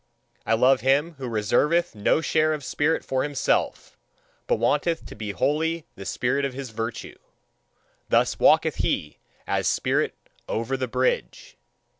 I love him who reserveth no share of spirit for himself, but wanteth to be wholly the spirit of his virtue: thus walketh he as spirit over the bridge.